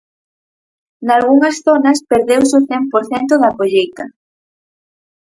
Nalgunhas zonas perdeuse o cen por cento da colleita.